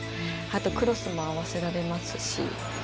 あと、クロスも合わせられますし。